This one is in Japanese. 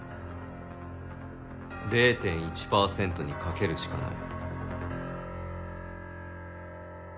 ０．１％に賭けるしかない。